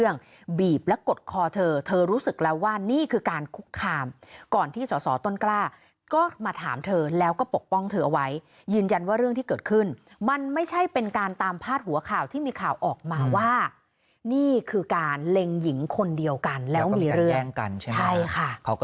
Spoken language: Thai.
นี่คือการเหล็งหญิงคนเดียวกันแล้วมีแย่งกันใช่ค่ะเขาก็